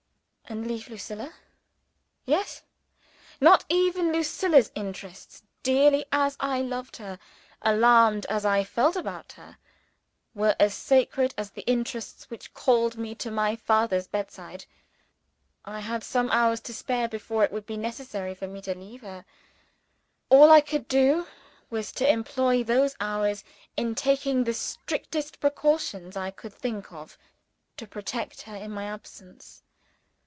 And leave Lucilla? Yes! not even Lucilla's interests dearly as I loved her; alarmed as I felt about her were as sacred as the interests which called me to my father's bedside. I had some hours to spare before it would be necessary for me to leave her. All I could do was to employ those hours in taking the strictest precautions I could think of to protect her in my absence.